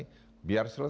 saya bikin terintegrasi